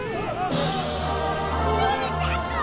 のび太くん！